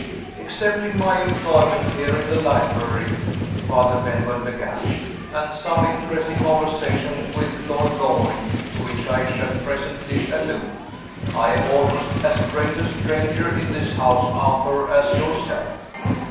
"EXCEPTING my employment here in the library," Father Benwell began, "and some interesting conversation with Lord Loring, to which I shall presently allude, I am almost as great a stranger in this house, Arthur, as yourself.